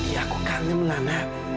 ya aku kangen melana